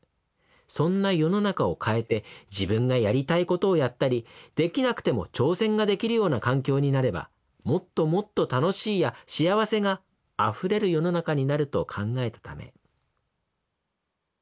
そんな世の中を変えて自分がやりたいことをやったりできなくても挑戦ができるような環境になればもっともっと楽しいや幸せがあふれる世の中になると考えたため」。